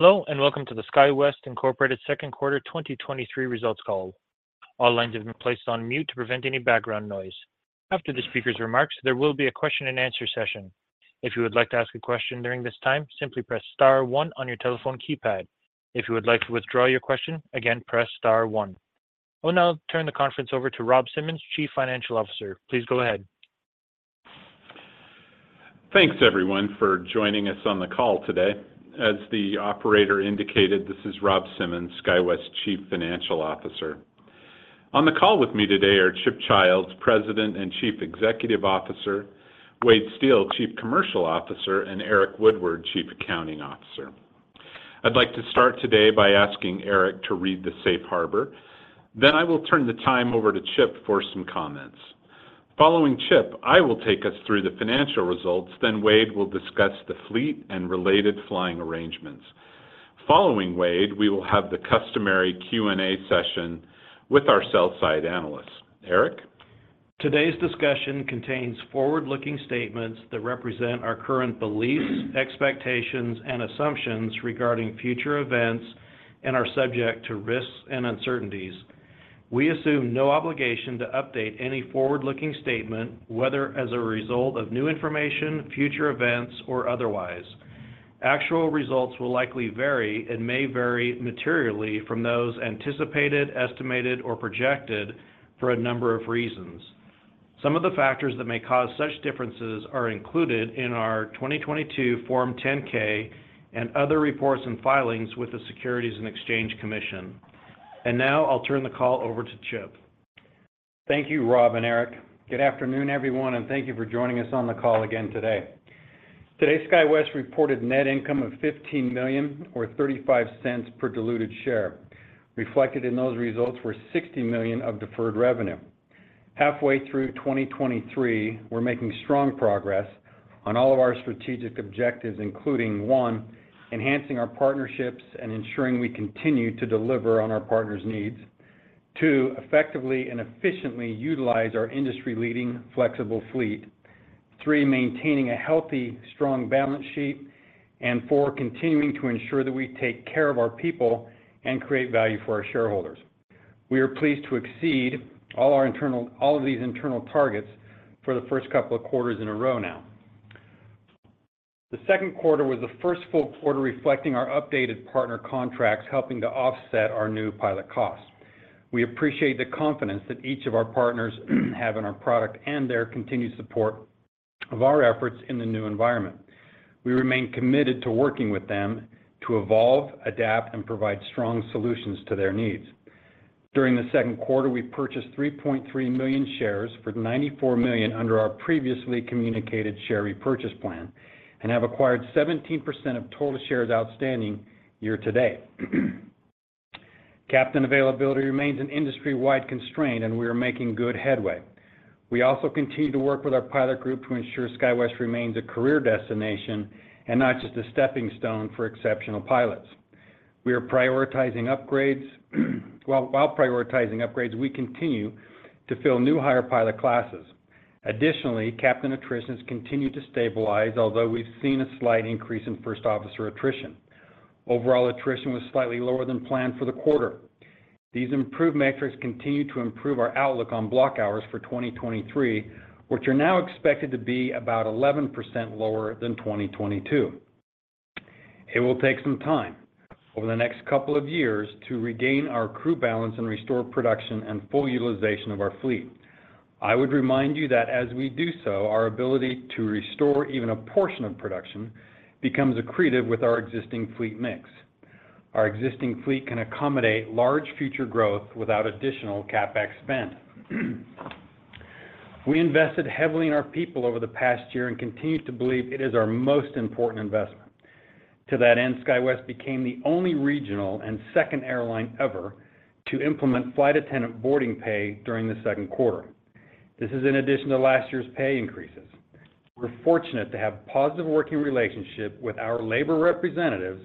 Hello, welcome to the SkyWest Incorporated second quarter 2023 results call. All lines have been placed on mute to prevent any background noise. After the speaker's remarks, there will be a question and answer session. If you would like to ask a question during this time, simply press star one on your telephone keypad. If you would like to withdraw your question, again, press star one. I will now turn the conference over to Rob Simmons, Chief Financial Officer. Please go ahead. Thanks, everyone, for joining us on the call today. As the operator indicated, this is Rob Simmons, SkyWest Chief Financial Officer. On the call with me today are Chip Childs, President and Chief Executive Officer; Wade Steel, Chief Commercial Officer; and Eric Woodward, Chief Accounting Officer. I'd like to start today by asking Eric to read the Safe Harbor. I will turn the time over to Chip for some comments. Following Chip, I will take us through the financial results, Wade will discuss the fleet and related flying arrangements. Following Wade, we will have the customary Q&A session with our sell side analysts. Eric? Today's discussion contains forward-looking statements that represent our current beliefs, expectations, and assumptions regarding future events and are subject to risks and uncertainties. We assume no obligation to update any forward-looking statement, whether as a result of new information, future events, or otherwise. Actual results will likely vary and may vary materially from those anticipated, estimated, or projected for a number of reasons. Some of the factors that may cause such differences are included in our 2022 Form 10-K and other reports and filings with the Securities and Exchange Commission. Now I'll turn the call over to Chip. Thank you, Rob and Eric. Good afternoon, everyone, and thank you for joining us on the call again today. Today, SkyWest reported net income of $15 million or $0.35 per diluted share. Reflected in those results were $60 million of deferred revenue. Halfway through 2023, we're making strong progress on all of our strategic objectives, including: One, enhancing our partnerships and ensuring we continue to deliver on our partners' needs. Two, effectively and efficiently utilize our industry-leading flexible fleet. Three, maintaining a healthy, strong balance sheet. Four, continuing to ensure that we take care of our people and create value for our shareholders. We are pleased to exceed all of these internal targets for the first couple of quarters in a row now. The second quarter was the first full quarter reflecting our updated partner contracts, helping to offset our new pilot costs. We appreciate the confidence that each of our partners have in our product and their continued support of our efforts in the new environment. We remain committed to working with them to evolve, adapt, and provide strong solutions to their needs. During the second quarter, we purchased 3.3 million shares for $94 million under our previously communicated share repurchase plan and have acquired 17% of total shares outstanding year-to-date. captain availability remains an industry-wide constraint, and we are making good headway. We also continue to work with our pilot group to ensure SkyWest remains a career destination and not just a stepping stone for exceptional pilots. We are prioritizing upgrades. While prioritizing upgrades, we continue to fill new higher pilot classes. Additionally, captain attritions continue to stabilize, although we've seen a slight increase in first officer attrition. Overall, attrition was slightly lower than planned for the quarter. These improved metrics continue to improve our outlook on block hours for 2023, which are now expected to be about 11% lower than 2022. It will take some time over the next couple of years to regain our crew balance and restore production and full utilization of our fleet. I would remind you that as we do so, our ability to restore even a portion of production becomes accretive with our existing fleet mix. Our existing fleet can accommodate large future growth without additional CapEx spend. We invested heavily in our people over the past year and continue to believe it is our most important investment. To that end, SkyWest became the only regional and second airline ever to implement flight attendant boarding pay during the second quarter. This is in addition to last year's pay increases. We're fortunate to have a positive working relationship with our labor representatives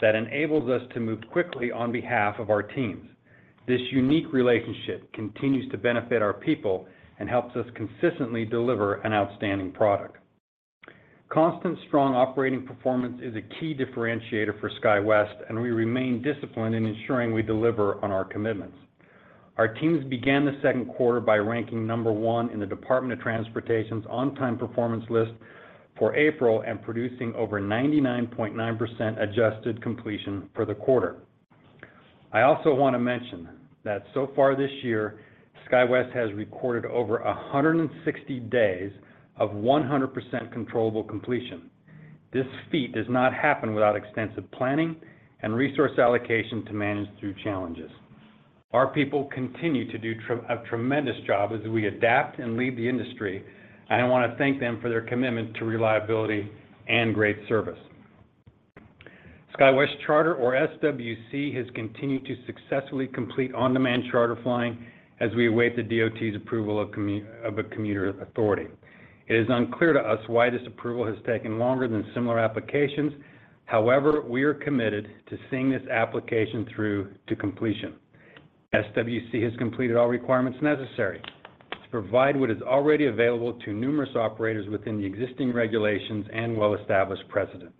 that enables us to move quickly on behalf of our teams. This unique relationship continues to benefit our people and helps us consistently deliver an outstanding product. Constant, strong operating performance is a key differentiator for SkyWest, and we remain disciplined in ensuring we deliver on our commitments. Our teams began the second quarter by ranking number one in the Department of Transportation's On-Time Performance list for April and producing over 99.9% adjusted completion for the quarter. I also want to mention that so far this year, SkyWest has recorded over 160 days of 100% controllable completion. This feat does not happen without extensive planning and resource allocation to manage through challenges. Our people continue to do a tremendous job as we adapt and lead the industry, and I want to thank them for their commitment to reliability and great service. SkyWest Charter, or SWC, has continued to successfully complete on-demand charter flying as we await the DOT's approval of a commuter authority. It is unclear to us why this approval has taken longer than similar applications. We are committed to seeing this application through to completion. SWC has completed all requirements necessary to provide what is already available to numerous operators within the existing regulations and well-established precedent.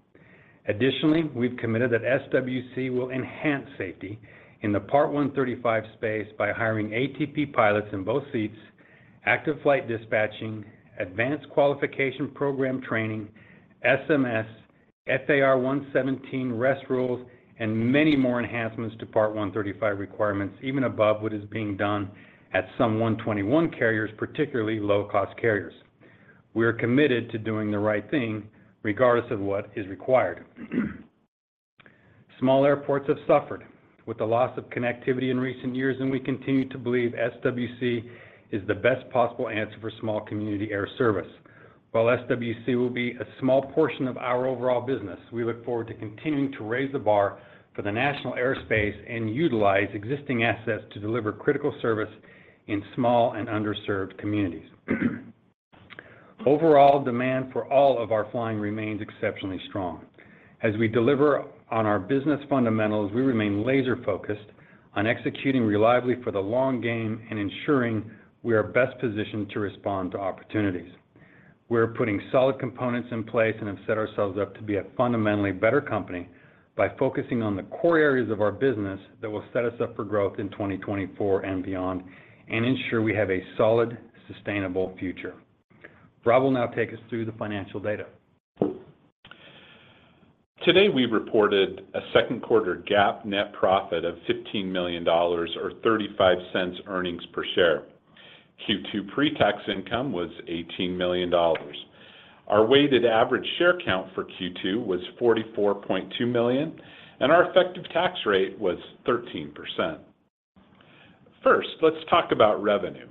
Additionally, we've committed that SWC will enhance safety in the Part 135 space by hiring ATP pilots in both seats, active flight dispatching, Advanced Qualification Program training, SMS, FAR 117 rest rules, and many more enhancements to Part 135 requirements, even above what is being done at some Part 121 carriers, particularly low-cost carriers. We are committed to doing the right thing regardless of what is required. Small airports have suffered with the loss of connectivity in recent years, and we continue to believe SWC is the best possible answer for small community air service. While SWC will be a small portion of our overall business, we look forward to continuing to raise the bar for the national airspace and utilize existing assets to deliver critical service in small and underserved communities. Overall, demand for all of our flying remains exceptionally strong. As we deliver on our business fundamentals, we remain laser-focused on executing reliably for the long game and ensuring we are best positioned to respond to opportunities. We're putting solid components in place and have set ourselves up to be a fundamentally better company by focusing on the core areas of our business that will set us up for growth in 2024 and beyond, and ensure we have a solid, sustainable future. Rob will now take us through the financial data. Today, we reported a second quarter GAAP net profit of $15 million, or $0.35 earnings per share. Q2 pretax income was $18 million. Our weighted average share count for Q2 was 44.2 million, and our effective tax rate was 13%. First, let's talk about revenue.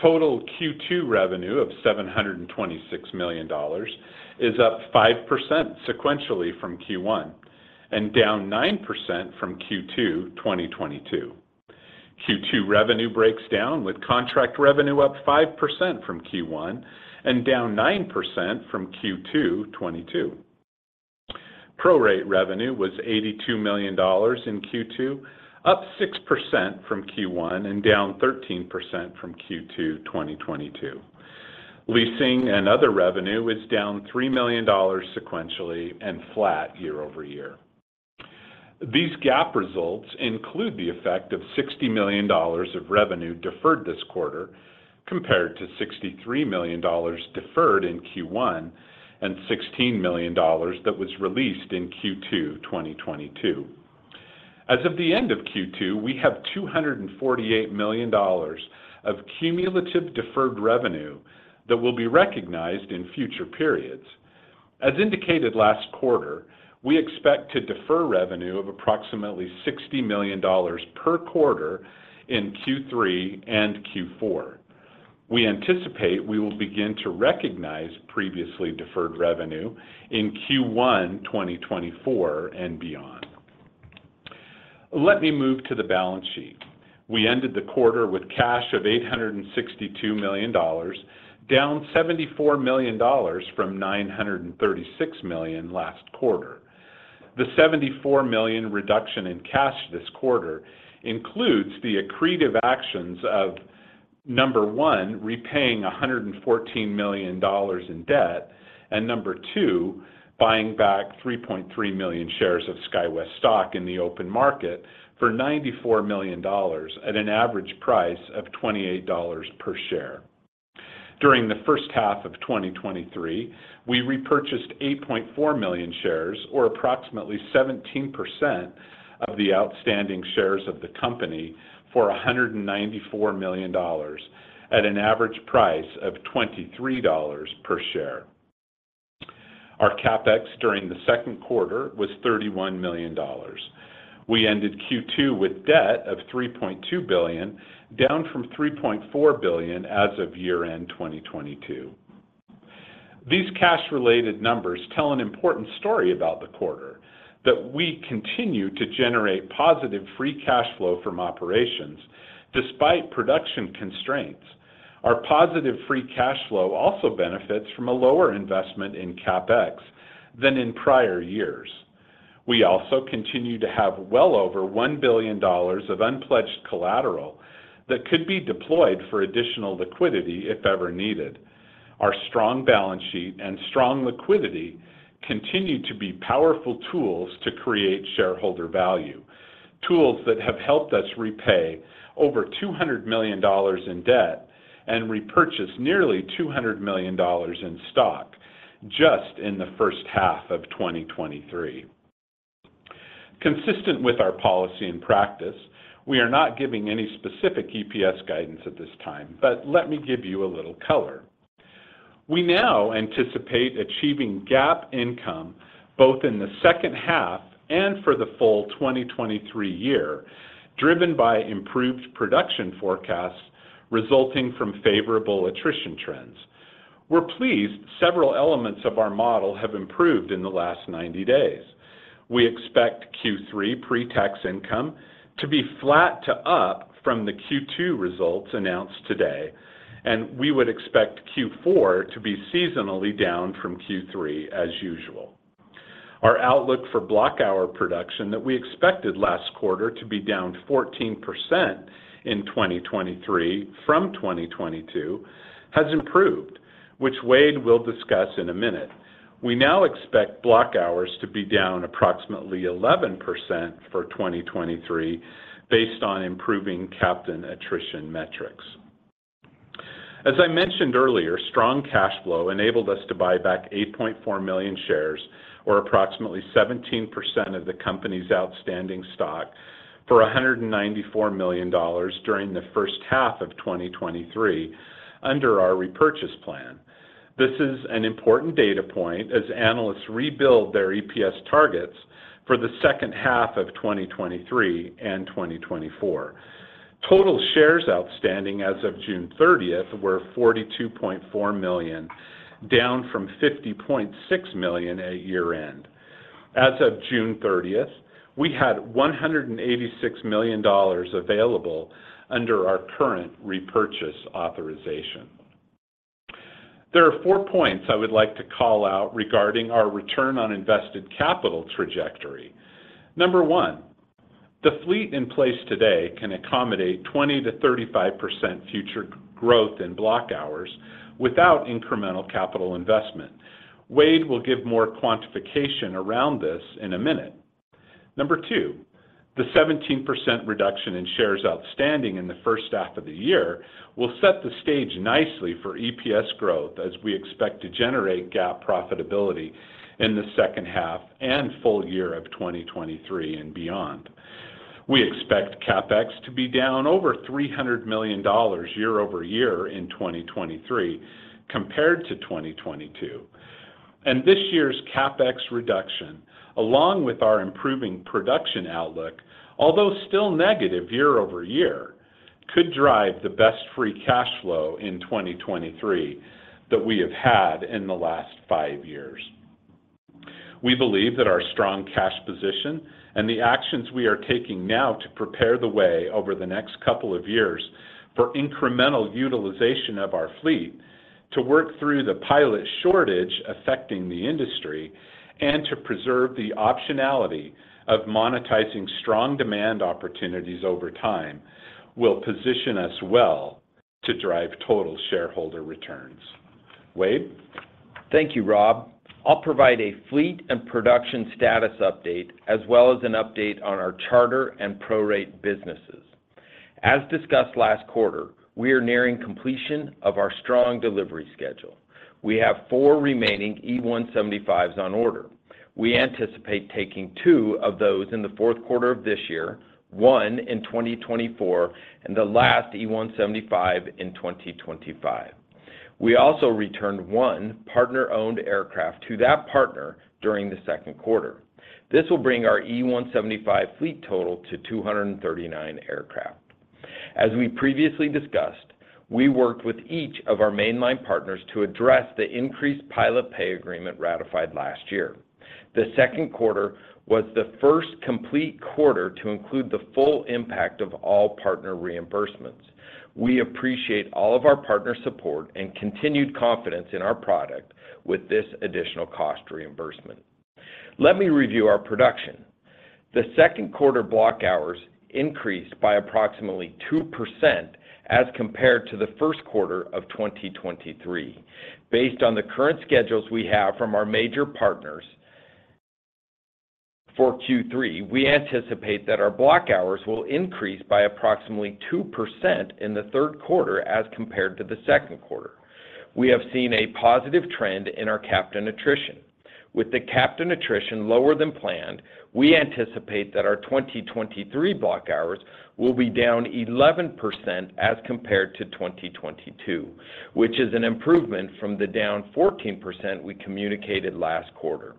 Total Q2 revenue of $726 million is up 5% sequentially from Q1, and down 9% from Q2 2022. Q2 revenue breaks down, with contract revenue up 5% from Q1 and down 9% from Q2 2022. Prorate revenue was $82 million in Q2, up 6% from Q1, and down 13% from Q2 2022. Leasing and other revenue was down $3 million sequentially and flat year-over-year. These GAAP results include the effect of $60 million of revenue deferred this quarter, compared to $63 million deferred in Q1 and $16 million that was released in Q2 2022. As of the end of Q2, we have $248 million of cumulative deferred revenue that will be recognized in future periods. As indicated last quarter, we expect to defer revenue of approximately $60 million per quarter in Q3 and Q4. We anticipate we will begin to recognize previously deferred revenue in Q1 2024 and beyond. Let me move to the balance sheet. We ended the quarter with cash of $862 million, down $74 million from $936 million last quarter. The $74 million reduction in cash this quarter includes the accretive actions of, number one, repaying $114 million in debt, and number two, buying back 3.3 million shares of SkyWest stock in the open market for $94 million at an average price of $28 per share. During the first half of 2023, we repurchased 8.4 million shares, or approximately 17% of the outstanding shares of the company, for $194 million at an average price of $23 per share. Our CapEx during the second quarter was $31 million. We ended Q2 with debt of $3.2 billion, down from $3.4 billion as of year-end 2022. These cash-related numbers tell an important story about the quarter, that we continue to generate positive free cash flow from operations despite production constraints. Our positive free cash flow also benefits from a lower investment in CapEx than in prior years. We also continue to have well over $1 billion of unpledged collateral that could be deployed for additional liquidity if ever needed. Our strong balance sheet and strong liquidity continue to be powerful tools to create shareholder value, tools that have helped us repay over $200 million in debt and repurchase nearly $200 million in stock just in the first half of 2023. Consistent with our policy and practice, we are not giving any specific EPS guidance at this time, but let me give you a little color. We now anticipate achieving GAAP income both in the second half and for the full 2023 year, driven by improved production forecasts resulting from favorable attrition trends. We're pleased several elements of our model have improved in the last 90 days. We expect Q3 pretax income to be flat to up from the Q2 results announced today, and we would expect Q4 to be seasonally down from Q3 as usual. Our outlook for block hour production that we expected last quarter to be down 14% in 2023 from 2022 has improved, which Wade will discuss in a minute. We now expect block hours to be down approximately 11% for 2023, based on improving captain attrition metrics. As I mentioned earlier, strong cash flow enabled us to buy back 8.4 million shares, or approximately 17% of the company's outstanding stock, for $194 million during the first half of 2023 under our repurchase plan. This is an important data point as analysts rebuild their EPS targets for the second half of 2023 and 2024. Total shares outstanding as of June 30th were 42.4 million, down from 50.6 million at year-end. As of June 30th, we had $186 million available under our current repurchase authorization. There are four points I would like to call out regarding our return on invested capital trajectory. Number one, the fleet in place today can accommodate 20%-35% future growth in block hours without incremental capital investment. Wade will give more quantification around this in a minute. Number two, the 17% reduction in shares outstanding in the first half of the year will set the stage nicely for EPS growth, as we expect to generate GAAP profitability in the second half and full year of 2023 and beyond. We expect CapEx to be down over $300 million year-over-year in 2023 compared to 2022. This year's CapEx reduction, along with our improving production outlook, although still negative year-over-year, could drive the best free cash flow in 2023 that we have had in the last five years. We believe that our strong cash position and the actions we are taking now to prepare the way over the next couple of years for incremental utilization of our fleet to work through the pilot shortage affecting the industry, and to preserve the optionality of monetizing strong demand opportunities over time, will position us well to drive total shareholder returns. Wade? Thank you, Rob. I'll provide a fleet and production status update, as well as an update on our SkyWest Charter and prorate businesses. As discussed last quarter, we are nearing completion of our strong delivery schedule. We have four remaining E175s on order. We anticipate taking two of those in the fourth quarter of this year, one in 2024, and the last E175 in 2025. We also returned one partner-owned aircraft to that partner during the second quarter. This will bring our E175 fleet total to 239 aircraft. As we previously discussed, we worked with each of our mainline partners to address the increased pilot pay agreement ratified last year. The second quarter was the first complete quarter to include the full impact of all partner reimbursements. We appreciate all of our partners' support and continued confidence in our product with this additional cost reimbursement. Let me review our production. The second quarter block hours increased by approximately 2% as compared to the first quarter of 2023. Based on the current schedules we have from our major partners for Q3, we anticipate that our block hours will increase by approximately 2% in the third quarter as compared to the second quarter. We have seen a positive trend in our captain attrition. With the captain attrition lower than planned, we anticipate that our 2023 block hours will be down 11% as compared to 2022, which is an improvement from the down 14% we communicated last quarter.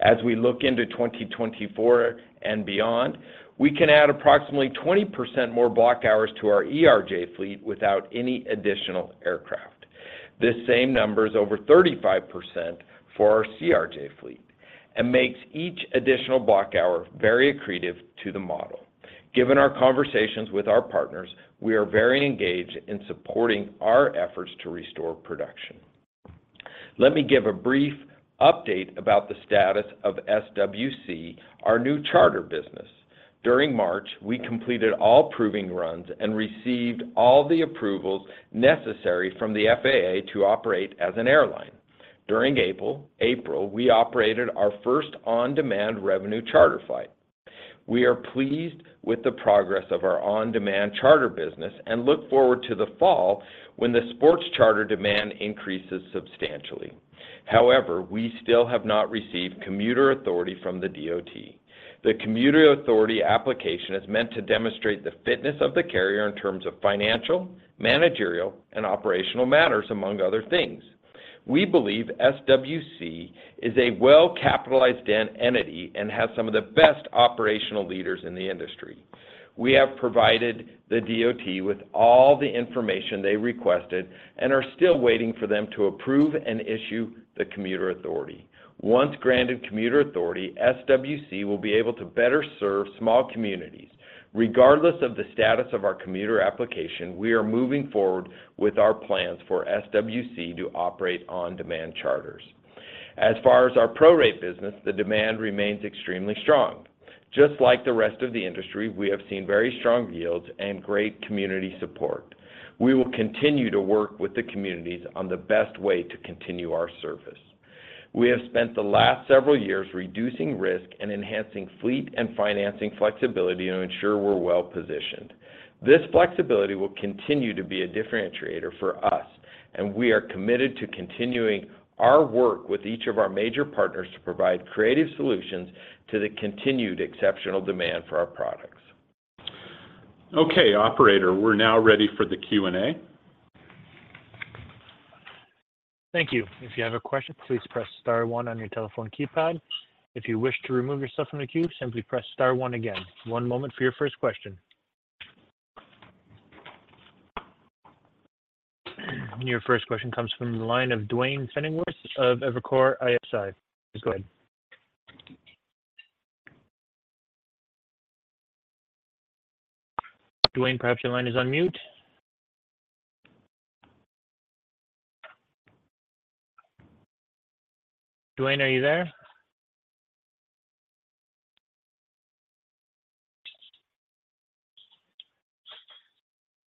As we look into 2024 and beyond, we can add approximately 20% more block hours to our ERJ fleet without any additional aircraft. This same number is over 35% for our CRJ fleet and makes each additional block hour very accretive to the model. Given our conversations with our partners, we are very engaged in supporting our efforts to restore production. Let me give a brief update about the status of SWC, our new charter business. During March, we completed all proving runs and received all the approvals necessary from the FAA to operate as an airline. During April, we operated our first on-demand revenue charter flight. We are pleased with the progress of our on-demand charter business and look forward to the fall when the sports charter demand increases substantially. We still have not received commuter authority from the DOT. The commuter authority application is meant to demonstrate the fitness of the carrier in terms of financial, managerial, and operational matters, among other things. We believe SWC is a well-capitalized entity and has some of the best operational leaders in the industry. We have provided the DOT with all the information they requested and are still waiting for them to approve and issue the commuter authority. Once granted commuter authority, SWC will be able to better serve small communities. Regardless of the status of our commuter application, we are moving forward with our plans for SWC to operate on-demand charters. As far as our prorate business, the demand remains extremely strong. Just like the rest of the industry, we have seen very strong yields and great community support. We will continue to work with the communities on the best way to continue our service. We have spent the last several years reducing risk and enhancing fleet and financing flexibility to ensure we're well-positioned. This flexibility will continue to be a differentiator for us, and we are committed to continuing our work with each of our major partners to provide creative solutions to the continued exceptional demand for our products. Okay, operator, we're now ready for the Q&A. Thank you. If you have a question, please press star one on your telephone keypad. If you wish to remove yourself from the queue, simply press star one again. One moment for your first question. Your first question comes from the line of Duane Pfennigwerth of Evercore ISI. Please go ahead. Duane, perhaps your line is on mute. Duane, are you there?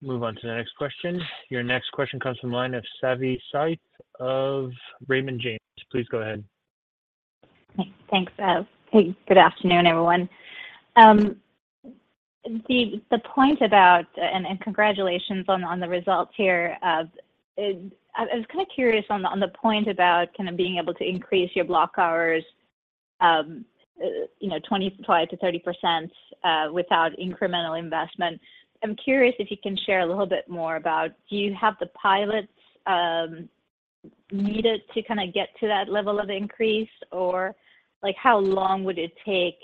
Move on to the next question. Your next question comes from the line of Savi Syth of Raymond James. Please go ahead. Thanks. Hey, good afternoon, everyone. The, the point about-- and congratulations on, on the results here. I, I was kind of curious on the, on the point about kind of being able to increase your block hours, you know, 25%-30%, without incremental investment. I'm curious if you can share a little bit more about, do you have the pilots needed to kind of get to that level of increase? Like, how long would it take,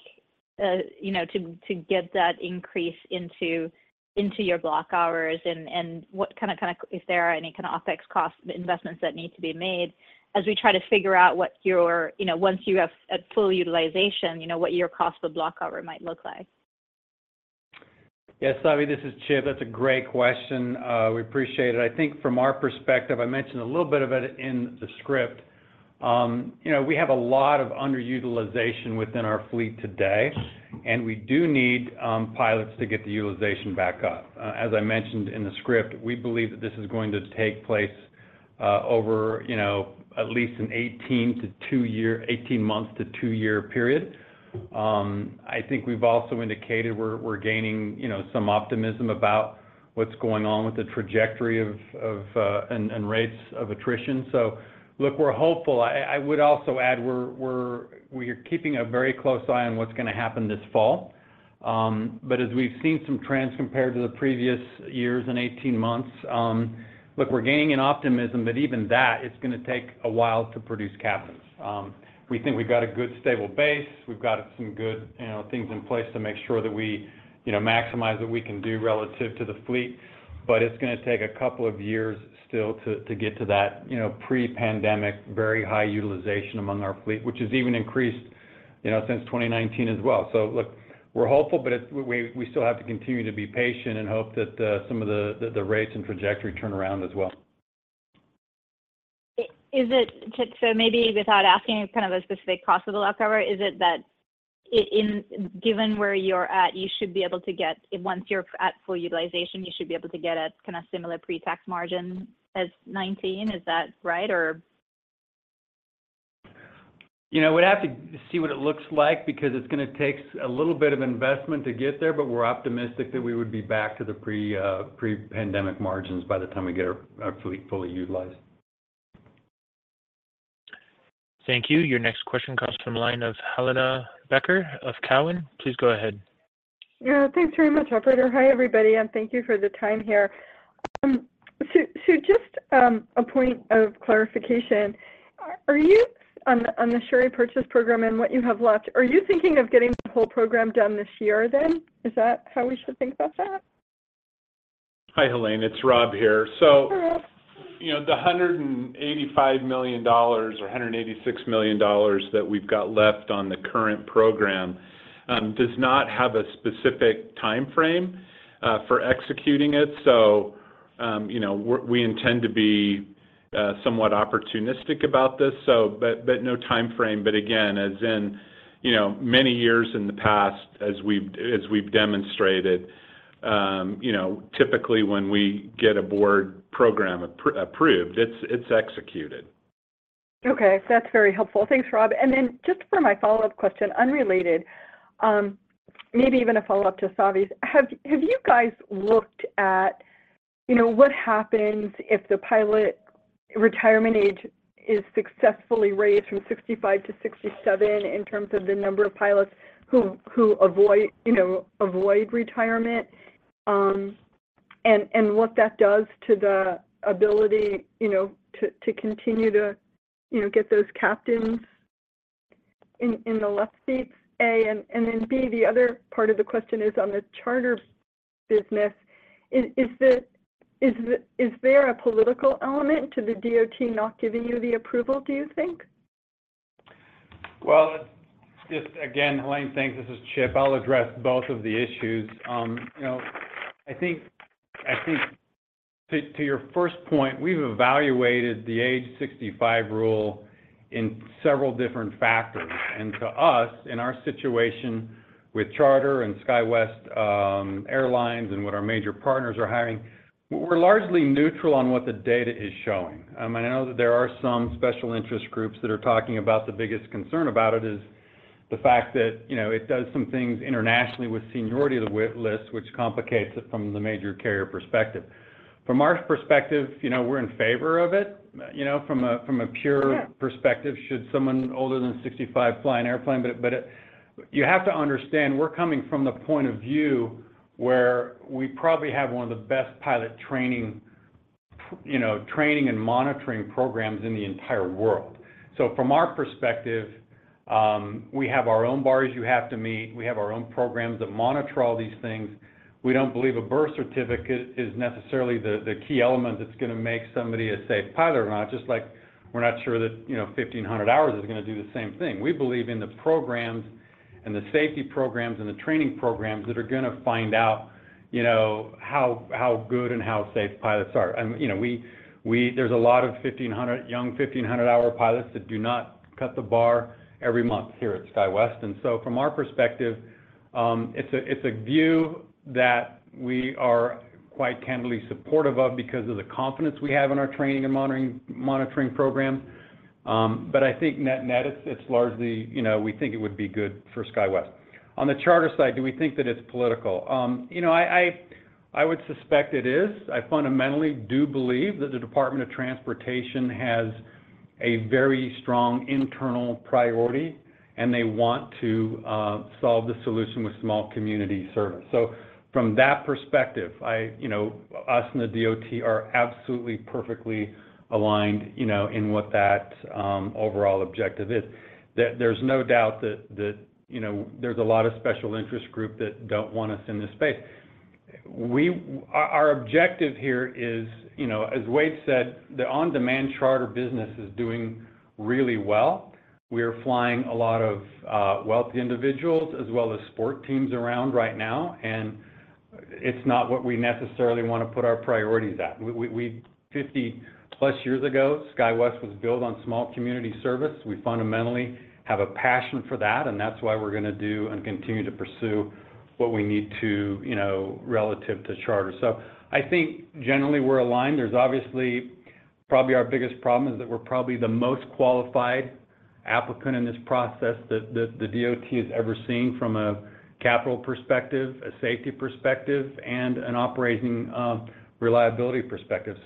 you know, to, to get that increase into, into your block hours, and, and what kind of, kind of-- Is there any kind of OpEx cost investments that need to be made as we try to figure out what your-- You know, once you have a full utilization, you know, what your cost of block hour might look like? Yes, Savi, this is Chip. That's a great question. We appreciate it. I think from our perspective, I mentioned a little bit about it in the script. You know, we have a lot of underutilization within our fleet today, and we do need pilots to get the utilization back up. As I mentioned in the script, we believe that this is going to take place over, you know, at least an 18 months to two year period. I think we've also indicated we're gaining, you know, some optimism about what's going on with the trajectory of, of, and, and rates of attrition. Look, we're hopeful. I, I would also add, we are keeping a very close eye on what's gonna happen this fall. As we've seen some trends compared to the previous years and 18 months, look, we're gaining an optimism that even that is gonna take a while to produce captains. We think we've got a good, stable base. We've got some good, you know, things in place to make sure that we, you know, maximize what we can do relative to the fleet, but it's gonna take two years still to, to get to that, you know, pre-pandemic, very high utilization among our fleet, which has even increased, you know, since 2019 as well. Look, we're hopeful, but we, we still have to continue to be patient and hope that some of the, the, the rates and trajectory turn around as well. Maybe without asking kind of a specific cost of the block hour, is it that given where you're at, you should be able to get, once you're at full utilization, you should be able to get a kind of similar pre-tax margin as 2019? Is that right or? You know, we'd have to see what it looks like because it's gonna take a little bit of investment to get there, but we're optimistic that we would be back to the pre-, pre-pandemic margins by the time we get our, our fleet fully utilized. Thank you. Your next question comes from the line of Helane Becker of Cowen. Please go ahead. Yeah, thanks very much, operator. Hi, everybody, and thank you for the time here. Just a point of clarification: On the share repurchase program and what you have left, are you thinking of getting the whole program done this year then? Is that how we should think about that? Hi, Helene, it's Rob here. Hi, Rob. You know, the $185 million or $186 million that we've got left on the current program does not have a specific timeframe for executing it. You know, we intend to be somewhat opportunistic about this, but no timeframe. Again, as in, you know, many years in the past as we've, as we've demonstrated, you know, typically when we get a Board program approved, it's executed. Okay. That's very helpful. Thanks, Rob. Then just for my follow-up question, unrelated, maybe even a follow-up to Savi's. Have, have you guys looked at, you know, what happens if the pilot retirement age is successfully raised from 65-67 in terms of the number of pilots who, who avoid, you know, avoid retirement, and, and what that does to the ability, you know, to, to continue to, you know, get those captains in, in the left seats, A? Then B, the other part of the question is on the charter business. Is there a political element to the DOT not giving you the approval, do you think? Well, just again, Helane, thanks. This is Chip. I'll address both of the issues. you know, I think, I think to, to your first point, we've evaluated the Age 65 Rule in several different factors. To us, in our situation with Charter and SkyWest Airlines, and what our major partners are hiring, we're largely neutral on what the data is showing. I know that there are some special interest groups that are talking about the biggest concern about it is the fact that, you know, it does some things internationally with seniority of the list, which complicates it from the major carrier perspective. From our perspective, you know, we're in favor of it, you know, from a, from a pure perspective, should someone older than 65 fly an airplane? You have to understand, we're coming from the point of view where we probably have one of the best pilot training, you know, training and monitoring programs in the entire world. From our perspective, we have our own bars you have to meet, we have our own programs that monitor all these things. We don't believe a birth certificate is necessarily the, the key element that's gonna make somebody a safe pilot or not, just like we're not sure that, you know, 1,500 hours is gonna do the same thing. We believe in the programs, and the safety programs, and the training programs that are gonna find out, you know, how, how good and how safe pilots are. You know, there's a lot of 1,500 young 1,500-hour pilots that do not cut the bar every month here at SkyWest. From our perspective, it's a view that we are quite candidly supportive of because of the confidence we have in our training and monitoring program. I think net, net, it's largely, you know, we think it would be good for SkyWest. On the charter side, do we think that it's political? You know, I would suspect it is. I fundamentally do believe that the Department of Transportation has a very strong internal priority, and they want to solve the solution with small community service. From that perspective, you know, us and the DOT are absolutely perfectly aligned, you know, in what that overall objective is. There, there's no doubt that, that, you know, there's a lot of special interest group that don't want us in this space. We-- Our, our objective here is, you know, as Wade said, the on-demand charter business is doing really well. We are flying a lot of wealthy individuals as well as sport teams around right now, and it's not what we necessarily want to put our priorities at. We, we, we-- 50+ years ago, SkyWest was built on small community service. We fundamentally have a passion for that, and that's why we're gonna do and continue to pursue what we need to, you know, relative to charter. I think generally we're aligned. There's obviously... Probably our biggest problem is that we're probably the most qualified applicant in this process that the DOT has ever seen from a capital perspective, a safety perspective, and an operating, reliability perspective.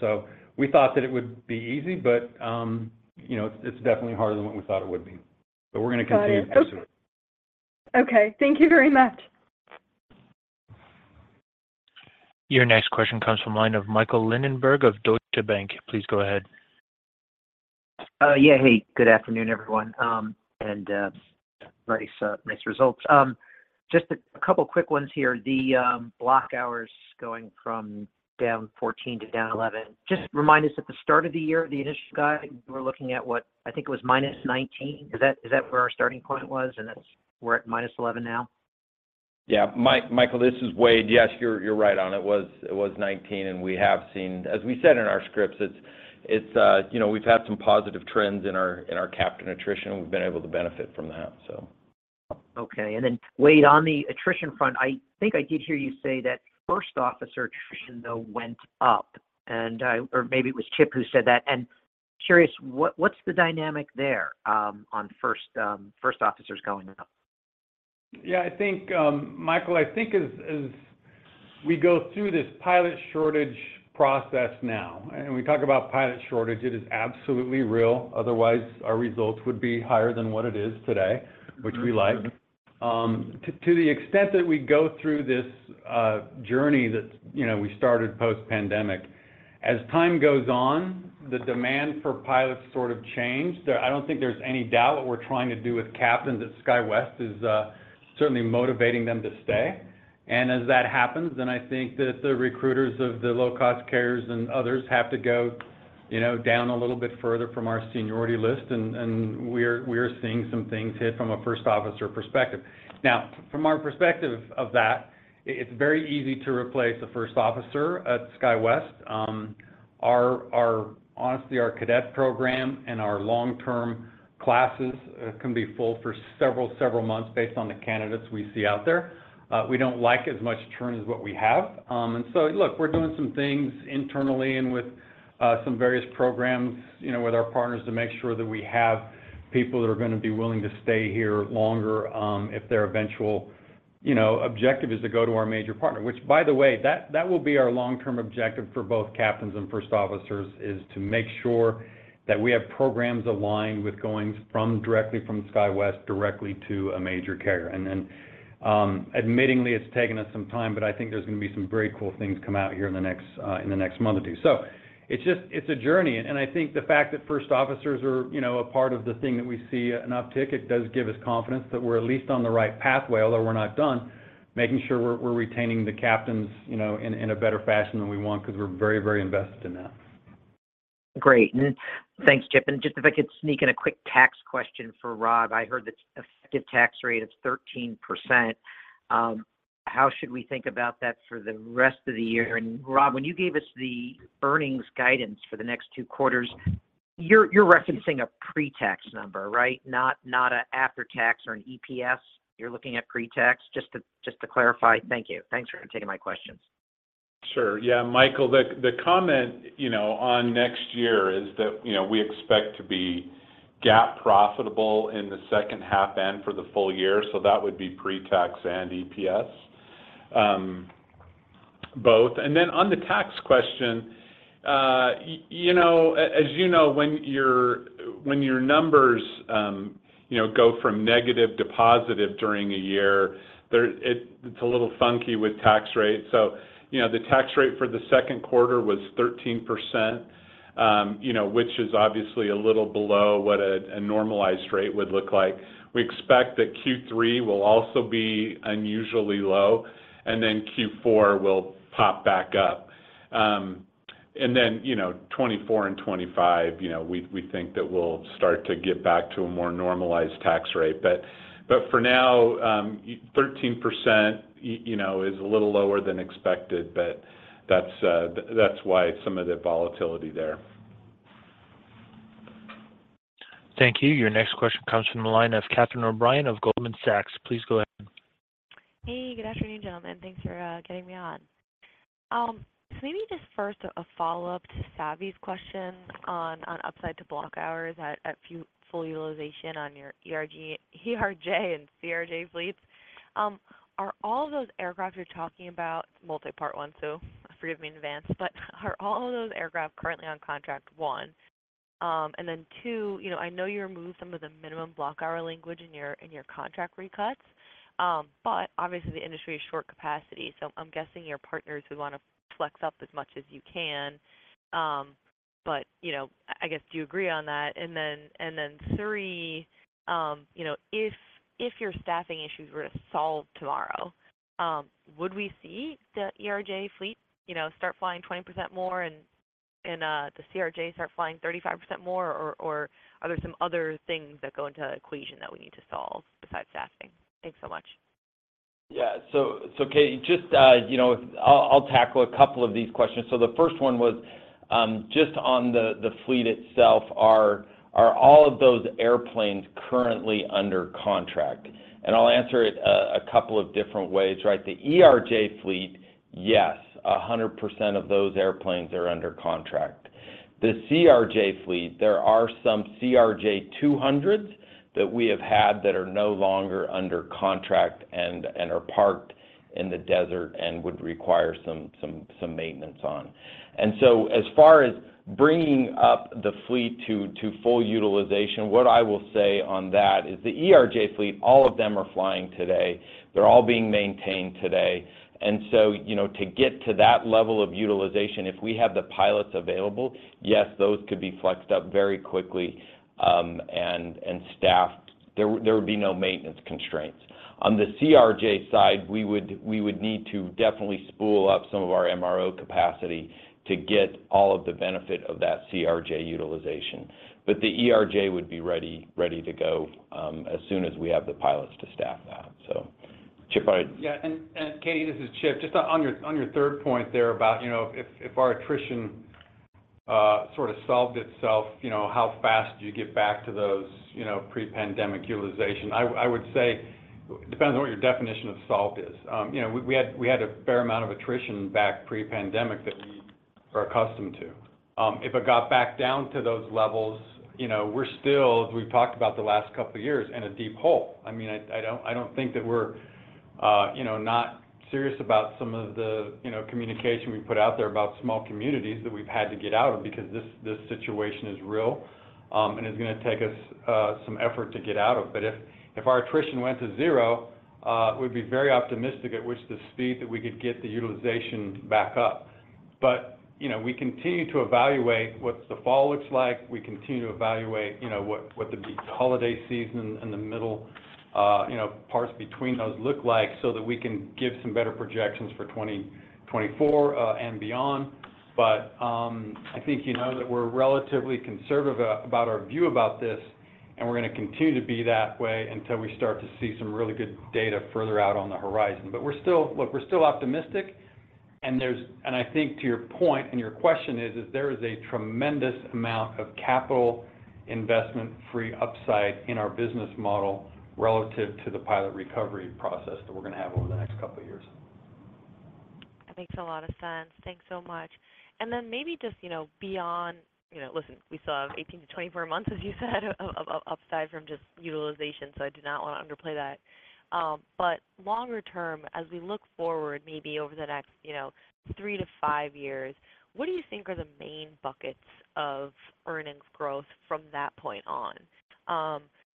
We thought that it would be easy, but, you know, it's definitely harder than what we thought it would be, but we're gonna continue to pursue it. Got it. Okay, thank you very much. Your next question comes from line of Michael Linenberg of Deutsche Bank. Please go ahead. Yeah, hey, good afternoon, everyone, nice results. Just a couple quick ones here. The block hours going from down 14 to down 11, just remind us, at the start of the year, the initial guide, we were looking at, what? I think it was minus 19. Is that, is that where our starting point was, and we're at minus 11 now? Yeah. Michael, this is Wade. Yes, you're right on. It was 19. We have seen as we said in our scripts. You know, we've had some positive trends in our captain attrition, and we've been able to benefit from that, so. Okay. Then, Wade, on the attrition front, I think I did hear you say that first officer attrition, though, went up, or maybe it was Chip who said that. Curious, what, what's the dynamic there, on first officers going up? I think, Michael, I think as, as we go through this pilot shortage process now, and we talk about pilot shortage, it is absolutely real. Otherwise, our results would be higher than what it is today, which we like. To the extent that we go through this journey that, you know, we started post-pandemic, as time goes on, the demand for pilots sort of change. There, I don't think there's any doubt what we're trying to do with captains at SkyWest is certainly motivating them to stay. As that happens, then I think that the recruiters of the low-cost carriers and others have to go, you know, down a little bit further from our seniority list, and we're seeing some things hit from a first officer perspective. From our perspective of that, it's very easy to replace a first officer at SkyWest. Honestly, our cadet program and our long-term classes can be full for several, several months based on the candidates we see out there. We don't like as much churn as what we have. Look, we're doing some things internally and with some various programs, you know, with our partners, to make sure that we have people that are gonna be willing to stay here longer, if their eventual, you know, objective is to go to our major partner. Which, by the way, that will be our long-term objective for both captains and first officers, is to make sure that we have programs aligned with directly from SkyWest directly to a major carrier. Admittedly, it's taken us some time, but I think there's gonna be some very cool things come out here in the next month or two. It's just a journey, and I think the fact that first officers are, you know, a part of the thing that we see an uptick, it does give us confidence that we're at least on the right pathway, although we're not done, making sure we're, we're retaining the captains, you know, in, in a better fashion than we want, 'cause we're very, very invested in that. Great, thanks, Chip. Just if I could sneak in a quick tax question for Rob. I heard that effective tax rate of 13%, how should we think about that for the rest of the year? Rob, when you gave us the earnings guidance for the next two quarters, you're, you're referencing a pre-tax number, right? Not, not a after-tax or an EPS. You're looking at pre-tax, just to, just to clarify. Thank you. Thanks for taking my questions. Sure. Yeah, Michael, the, the comment, you know, on next year is that, you know, we expect to be GAAP profitable in the second half and for the full year, so that would be pre-tax and EPS, both. On the tax question, you know, as you know, when your, when your numbers, you know, go from negative to positive during a year, it's a little funky with tax rate. You know, the tax rate for the second quarter was 13%, you know, which is obviously a little below what a, a normalized rate would look like. We expect that Q3 will also be unusually low, Q4 will pop back up. You know, 2024 and 2025, you know, we, we think that we'll start to get back to a more normalized tax rate. For now, 13%, you know, is a little lower than expected, but that's why some of the volatility there. Thank you. Your next question comes from the line of Catherine O'Brien of Goldman Sachs. Please go ahead. Hey, good afternoon, gentlemen. Thanks for getting me on. Maybe just first a follow-up to Savi's question on upside to block hours at full utilization on your ERJ and CRJ fleets. Are all those aircraft you're talking about, multipart one, forgive me in advance, are all of those aircraft currently on contract, one? Then two, you know, I know you removed some of the minimum block hour language in your, in your contract recuts, obviously, the industry is short capacity, I'm guessing your partners would want to flex up as much as you can. You know, I guess, do you agree on that? Then, and then three, you know, if, if your staffing issues were to solve tomorrow, would we see the ERJ fleet, you know, start flying 20% more and, and, the CRJ start flying 35% more, or, or are there some other things that go into the equation that we need to solve besides staffing? Thanks so much. Yeah. So Catie, just, you know, I'll, I'll tackle a couple of these questions. The first one was, just on the, the fleet itself, are, are all of those airplanes currently under contract? I'll answer it, a couple of different ways, right? The ERJ fleet, yes, 100% of those airplanes are under contract. The CRJ fleet, there are some CRJ-200s that we have had that are no longer under contract and, and are parked in the desert and would require some, some, some maintenance on. As far as bringing up the fleet to, to full utilization, what I will say on that is the ERJ fleet, all of them are flying today. They're all being maintained today. So, you know, to get to that level of utilization, if we have the pilots available, yes, those could be flexed up very quickly, and, and staffed. There, there would be no maintenance constraints. On the CRJ side, we would, we would need to definitely spool up some of our MRO capacity to get all of the benefit of that CRJ utilization. The ERJ would be ready, ready to go, as soon as we have the pilots to staff that. Chip, I- Yeah, Catie, this is Chip. Just on your, on your third point there about, you know, if, if our attrition, sort of solved itself, you know, how fast do you get back to those, you know, pre-pandemic utilization? I would say it depends on what your definition of solved is. You know, we had a fair amount of attrition back pre-pandemic that we are accustomed to. If it got back down to those levels, you know, we're still, as we've talked about the last couple of years, in a deep hole. I mean, I, I don't, I don't think that we're, you know, not serious about some of the, you know, communication we put out there about small communities that we've had to get out of because this, this situation is real, and it's gonna take us, some effort to get out of. If, if our attrition went to zero, we'd be very optimistic at which the speed that we could get the utilization back up. You know, we continue to evaluate what the fall looks like. We continue to evaluate, you know, what, what the holiday season and the middle, you know, parts between those look like so that we can give some better projections for 2024, and beyond. I think you know that we're relatively conservative about our view about this, and we're gonna continue to be that way until we start to see some really good data further out on the horizon. We're still, look, we're still optimistic, and there's, and I think to your point, and your question is, is there is a tremendous amount of capital investment-free upside in our business model relative to the pilot recovery process that we're gonna have over the next couple of years. That makes a lot of sense. Thanks so much. Then maybe just, you know, beyond, you know, listen, we saw 18-24 months, as you said, of, of upside from just utilization, so I did not want to underplay that. Longer term, as we look forward, maybe over the next, you know, three to five years, what do you think are the main buckets of earnings growth from that point on?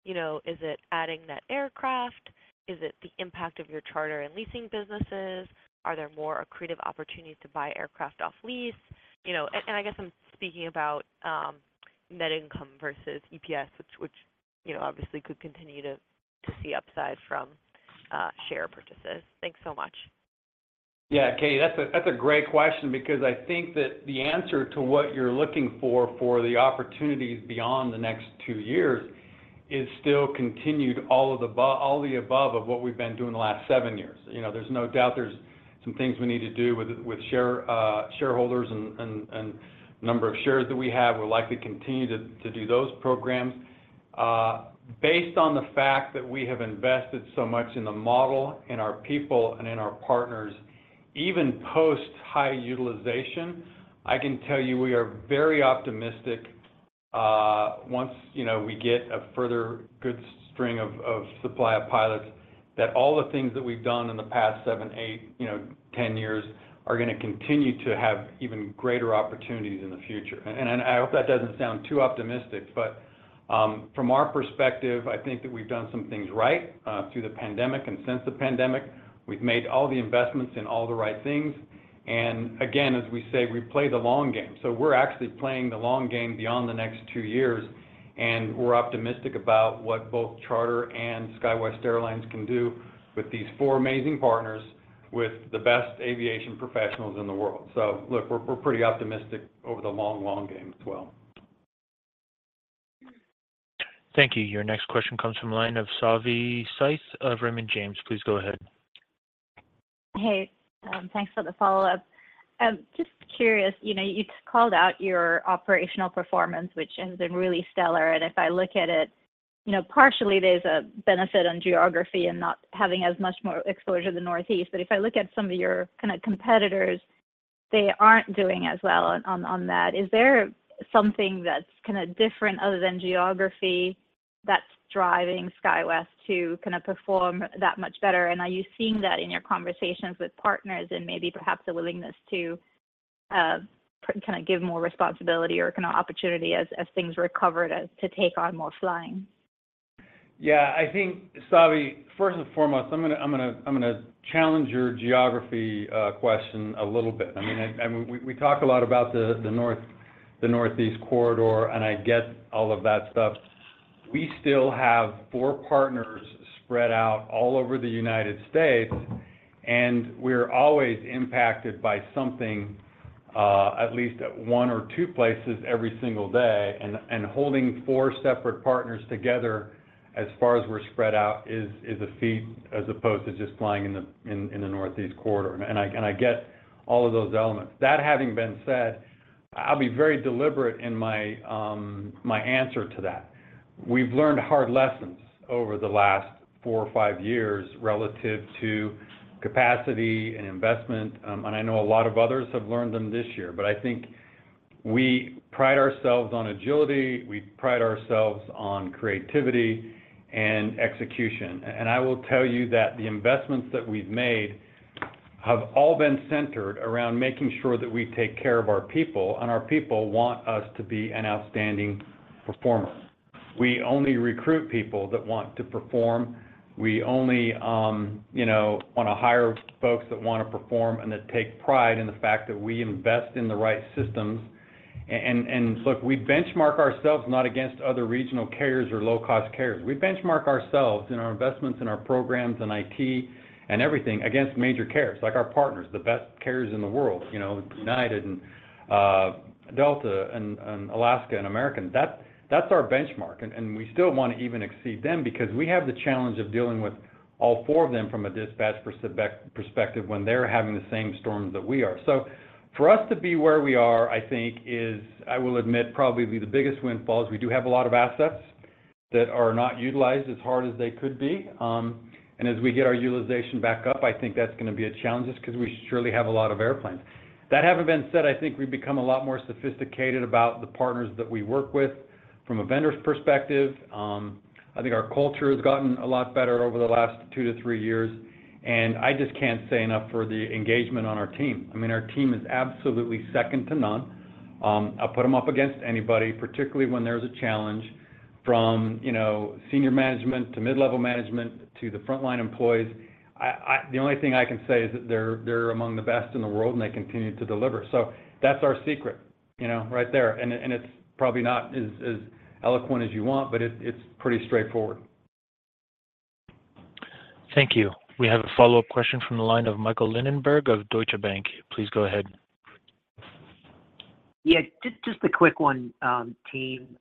You know, is it adding that aircraft? Is it the impact of your charter and leasing businesses? Are there more accretive opportunities to buy aircraft off lease? You know, I guess I'm speaking about net income versus EPS, which, which, you know, obviously could continue to, to see upside from share purchases. Thanks so much. Yeah, Katie, that's a, that's a great question because I think that the answer to what you're looking for, for the opportunities beyond the next two years is still continued all of the above, all the above of what we've been doing the last seven years. You know, there's no doubt there's some things we need to do with, with share, shareholders and, and, and number of shares that we have. We're likely to continue to, to do those programs. Based on the fact that we have invested so much in the model, in our people, and in our partners, even post-high utilization, I can tell you we are very optimistic, once, you know, we get a further good string of, of supply of pilots, that all the things that we've done in the past seven, eight, you know, 10 years are going to continue to have even greater opportunities in the future. I hope that doesn't sound too optimistic, but, from our perspective, I think that we've done some things right, through the pandemic and since the pandemic. We've made all the investments in all the right things. Again, as we say, we play the long game. We're actually playing the long game beyond the next two years, and we're optimistic about what both Charter and SkyWest Airlines can do with these four amazing partners, with the best aviation professionals in the world. Look, we're, we're pretty optimistic over the long, long game as well. Thank you. Your next question comes from the line of Savi Syth of Raymond James. Please go ahead. Hey, thanks for the follow-up. Just curious, you know, you called out your operational performance, which has been really stellar. If I look at it, you know, partially there's a benefit on geography and not having as much more exposure to the Northeast, but if I look at some of your kind of competitors, they aren't doing as well on, on, on that. Is there something that's kind of different other than geography, that's driving SkyWest to kind of perform that much better? Are you seeing that in your conversations with partners and maybe perhaps a willingness to kind of give more responsibility or kind of opportunity as, as things recover to, to take on more flying? Yeah, I think, Savi, first and foremost, I'm gonna, I'm gonna, I'm gonna challenge your geography question a little bit. I mean, we, we talk a lot about the North-- the Northeast corridor, and I get all of that stuff. We still have four partners spread out all over the United States, and we're always impacted by something at least at one or two places every single day. Holding four separate partners together, as far as we're spread out, is, is a feat as opposed to just flying in the, in, in the Northeast corridor. I get all of those elements. That having been said, I'll be very deliberate in my answer to that. We've learned hard lessons over the last four or five years relative to capacity and investment, I know a lot of others have learned them this year. I think we pride ourselves on agility, we pride ourselves on creativity and execution. I will tell you that the investments that we've made have all been centered around making sure that we take care of our people, and our people want us to be an outstanding performer. We only recruit people that want to perform. We only, you know, want to hire folks that want to perform and that take pride in the fact that we invest in the right systems. Look, we benchmark ourselves not against other regional carriers or low-cost carriers. We benchmark ourselves in our investments, in our programs, in IT, and everything against major carriers, like our partners, the best carriers in the world, you know, United and Delta and Alaska and American. That's our benchmark, and we still want to even exceed them because we have the challenge of dealing with all four of them from a dispatch perspective when they're having the same storms that we are. For us to be where we are, I think is. I will admit, probably the biggest windfall is we do have a lot of assets that are not utilized as hard as they could be. As we get our utilization back up, I think that's going to be a challenge because we surely have a lot of airplanes. That having been said, I think we've become a lot more sophisticated about the partners that we work with from a vendor's perspective. I think our culture has gotten a lot better over the last two to three years, and I just can't say enough for the engagement on our team. I mean, our team is absolutely second to none. I'll put them up against anybody, particularly when there's a challenge from, you know, senior management to mid-level management to the frontline employees. The only thing I can say is that they're among the best in the world, and they continue to deliver. That's our secret, you know, right there. It's probably not as, as eloquent as you want, but it's, it's pretty straightforward. Thank you. We have a follow-up question from the line of Michael Linenberg of Deutsche Bank. Please go ahead. Yeah, just, just a quick one, team.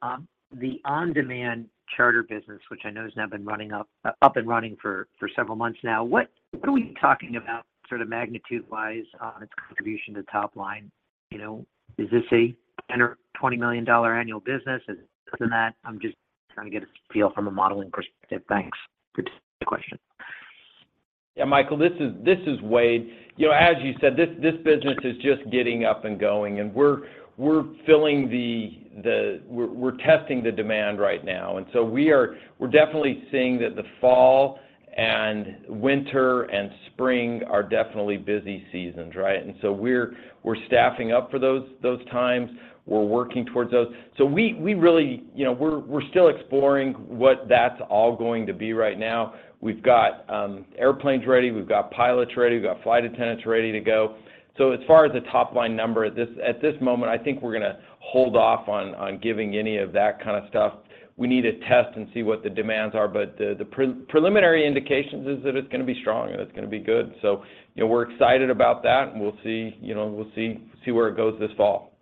The on-demand charter business, which I know has now been running up, up and running for, for several months now, what, what are we talking about sort of magnitude-wise on its contribution to top line? You know, is this a $10 million-$20 million annual business? Is it more than that? I'm just trying to get a feel from a modeling perspective. Thanks. Good question. Yeah, Michael, this is Wade. You know, as you said, this business is just getting up and going, and we're filling the, we're testing the demand right now. So we're definitely seeing that the fall and winter and spring are definitely busy seasons, right? So we're staffing up for those times. We're working towards those. We really, you know, we're still exploring what that's all going to be right now. We've got airplanes ready, we've got pilots ready, we've got flight attendants ready to go. As far as the top-line number, at this, at this moment, I think we're gonna hold off on, on giving any of that kind of stuff. We need to test and see what the demands are, the preliminary indications is that it's gonna be strong, and it's gonna be good. You know, we're excited about that, and we'll see, you know, we'll see, see where it goes this fall.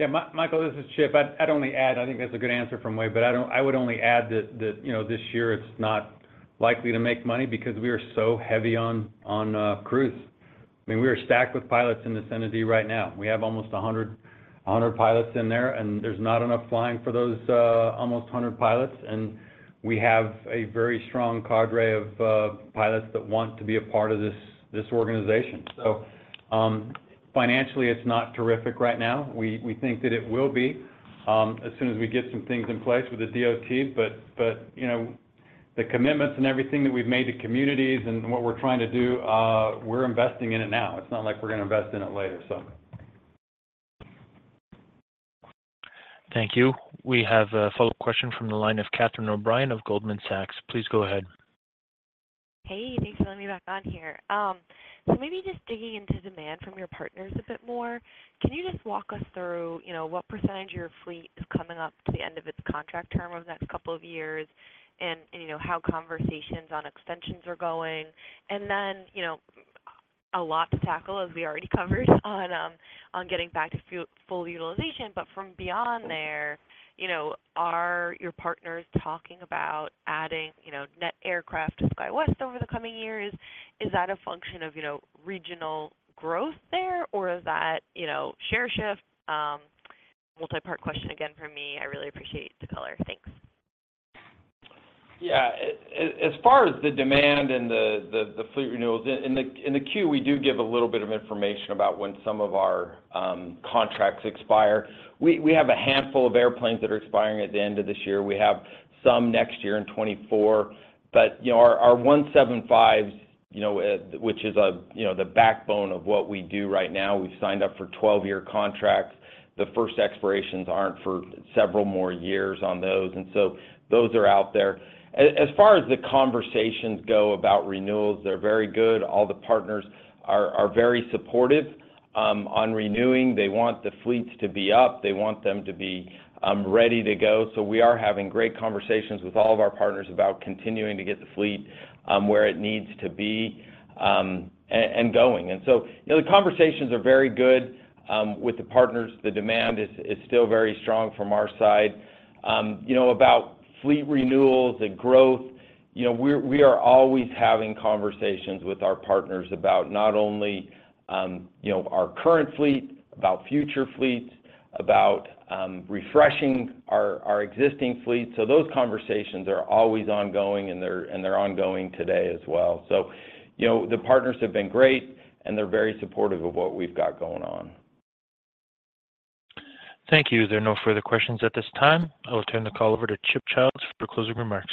Yeah, Michael, this is Chip. I'd only add, I think that's a good answer from Wade, I would only add that, you know, this year it's not likely to make money because we are so heavy on crews. I mean, we are stacked with pilots in the night right now. We have almost 100 pilots in there, there's not enough flying for those almost 100 pilots. We have a very strong cadre of pilots that want to be a part of this organization. Financially, it's not terrific right now. We think that it will be as soon as we get some things in place with the DOT. You know, the commitments and everything that we've made to communities and what we're trying to do, we're investing in it now. It's not like we're gonna invest in it later, so. Thank you. We have a follow-up question from the line of Catherine O'Brien of Goldman Sachs. Please go ahead. Hey, thanks for letting me back on here. So maybe just digging into demand from your partners a bit more, can you just walk us through, you know, what percentage of your fleet is coming up to the end of its contract term over the next couple of years? You know, how conversations on extensions are going. Then, you know, a lot to tackle, as we already covered on, on getting back to full utilization. From beyond there, you know, are your partners talking about adding, you know, net aircraft to SkyWest over the coming years? Is that a function of, you know, regional growth there, or is that, you know, share shift? Multi-part question again from me. I really appreciate the color. Thanks. Yeah. As far as the demand and the fleet renewals, in the queue, we do give a little bit of information about when some of our contracts expire. We have a handful of airplanes that are expiring at the end of this year. We have some next year in 2024, but, you know, our E175s, you know, which is, you know, the backbone of what we do right now, we've signed up for 12-year contracts. The first expirations aren't for several more years on those, and so those are out there. As far as the conversations go about renewals, they're very good. All the partners are very supportive on renewing. They want the fleets to be up. They want them to be ready to go. We are having great conversations with all of our partners about continuing to get the fleet, where it needs to be, and going. You know, the conversations are very good with the partners. The demand is still very strong from our side. You know, about fleet renewals and growth, you know, we are always having conversations with our partners about not only, you know, our current fleet, about future fleets, about refreshing our existing fleets. Those conversations are always ongoing, and they're ongoing today as well. You know, the partners have been great, and they're very supportive of what we've got going on. Thank you. There are no further questions at this time. I will turn the call over to Chip Childs for closing remarks.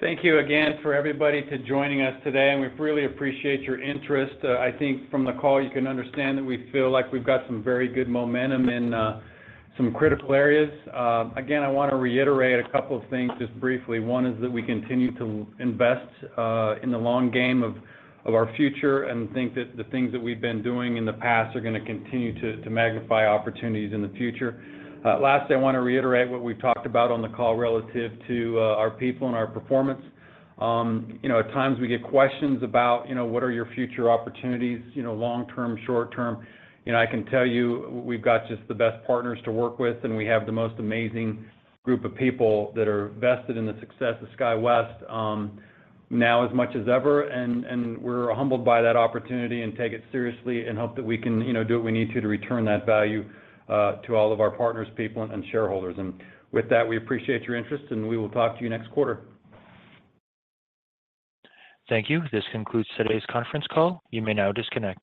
Thank you again for everybody to joining us today, and we really appreciate your interest. I think from the call, you can understand that we feel like we've got some very good momentum in some critical areas. Again, I wanna reiterate a couple of things just briefly. One is that we continue to invest in the long game of, of our future and think that the things that we've been doing in the past are gonna continue to, to magnify opportunities in the future. Last, I wanna reiterate what we've talked about on the call relative to our people and our performance. You know, at times we get questions about, you know, what are your future opportunities, you know, long term, short term? You know, I can tell you, we've got just the best partners to work with, and we have the most amazing group of people that are vested in the success of SkyWest, now as much as ever. We're humbled by that opportunity and take it seriously and hope that we can, you know, do what we need to, to return that value to all of our partners, people, and shareholders. With that, we appreciate your interest, and we will talk to you next quarter. Thank you. This concludes today's conference call. You may now disconnect.